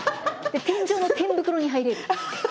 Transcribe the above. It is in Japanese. で天井の天袋に入れる。